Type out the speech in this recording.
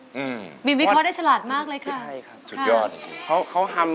วิ่มวิวิวิวเขาได้ฉลาดมากเลยค่ะ